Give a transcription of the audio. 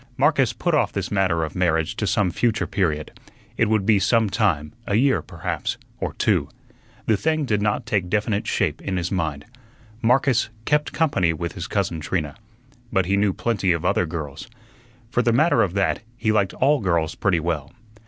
Marcus put off this matter of marriage to some future period; it would be some time a year, perhaps, or two. The thing did not take definite shape in his mind. Marcus "kept company" with his cousin Trina, but he knew plenty of other girls. For the matter of that, he liked all girls pretty well.